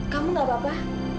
kamu gak apa apa